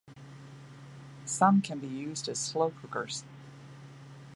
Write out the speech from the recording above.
Some can be used as slow cookers.